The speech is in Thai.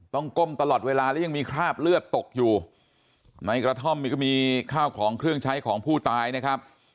ก้มตลอดเวลาและยังมีคราบเลือดตกอยู่ในกระท่อมนี่ก็มีข้าวของเครื่องใช้ของผู้ตายนะครับ